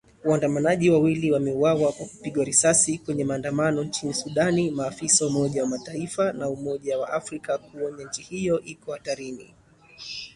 Waandamanaji wawili wameuwawa kwa kupigwa risasi kwenye maandamano nchini Sudan, maafisa wa Umoja wa Mataifa na Umoja wa Afrika kuonya nchi hiyo iko hatarini